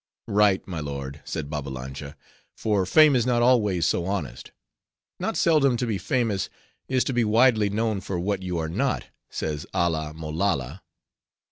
"Right, my lord," said Babbalanja, "for Fame is not always so honest. Not seldom to be famous, is to be widely known for what you are not, says Alla Malolla.